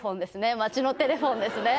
街のテレフォンですね。